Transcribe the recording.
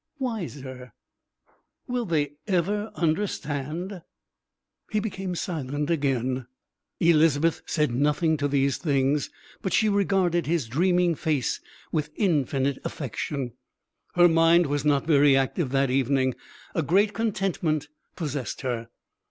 Wiser.... "Will they ever understand?" He became silent again. Elizabeth said nothing to these things, but she regarded his dreaming face with infinite affection. Her mind was not very active that evening. A great contentment possessed her.